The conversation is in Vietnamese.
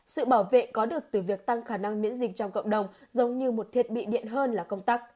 sự bảo vệ có được từ việc tăng khả năng miễn dịch trong cộng đồng giống như một thiết bị điện hơn là công tắc